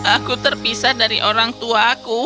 aku terpisah dari orang tuaku